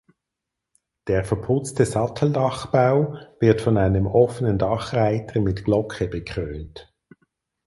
Der verputzte Satteldachbau wird von einem offenen Dachreiter mit Glocke bekrönt.